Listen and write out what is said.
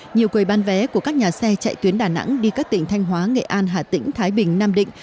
nhiều quầy bán vé của các nhà xe chạy tuyến đà nẵng đi các tỉnh thanh hóa nghệ an hà tĩnh thái bình nam định